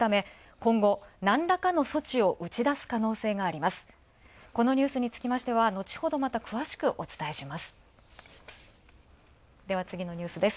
このニュースにつきましては、またのちほど詳しくお伝えします。